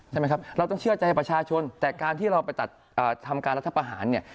ใช่ไหมครับเราต้องเชื่อใจประชาชนแต่การที่เราไปตัดทำการรัฐประหารเนี่ย